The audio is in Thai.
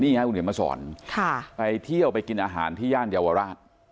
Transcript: นี่ฮะฉันเดี๋ยวมาสอนค่ะไปเที่ยวไปกินอาหารที่ญาณเยาวราช